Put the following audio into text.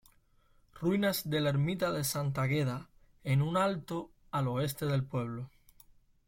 Ruinas de la ermita de Santa Águeda, en un alto, al oeste del pueblo.